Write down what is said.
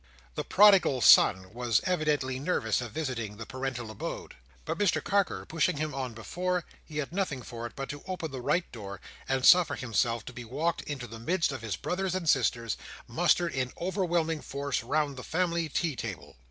The prodigal son was evidently nervous of visiting the parental abode; but Mr Carker pushing him on before, he had nothing for it but to open the right door, and suffer himself to be walked into the midst of his brothers and sisters, mustered in overwhelming force round the family tea table.